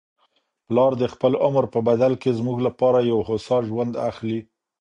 پلار د خپل عمر په بدل کي زموږ لپاره یو هوسا ژوند اخلي.